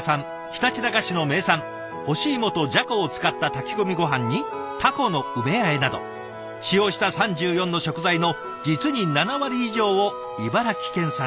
ひたちなか市の名産干しいもとじゃこを使った炊き込みごはんにタコの梅あえなど使用した３４の食材の実に７割以上を茨城県産に。